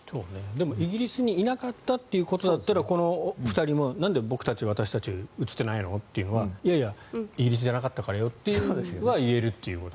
でも、イギリスにいなかったということだったらこの２人もなんで僕たち、私たち写ってないのというのはいやいや、イギリスじゃないからよというのは言えると。